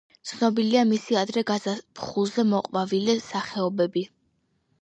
ცნობილია მისი ადრე გაზაფხულზე მოყვავილე სახეობები.